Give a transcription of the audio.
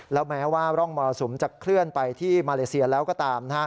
แล้วแม้ว่าร่องมรสุมจะเคลื่อนไปที่มาเลเซียแล้วก็ตาม